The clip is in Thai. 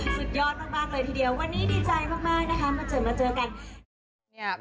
สุดยอดมากมากเลยทีเดียววันนี้ดีใจมากนะคะมาเจอมาเจอกัน